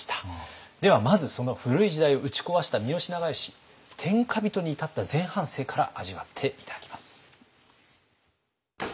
ではまずその古い時代を打ち壊した三好長慶天下人に至った前半生から味わって頂きます。